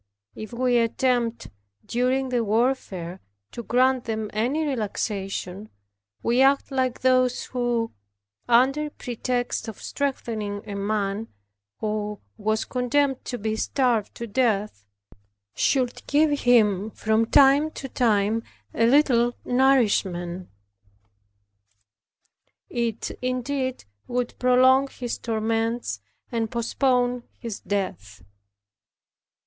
If we attempt, during the warfare, to grant them any relaxation, we act like those, who, under pretext of strengthening a man, who was condemned to be starved to death, should give him from time to time a little nourishment. It indeed would prolong his torments, and postpone his death.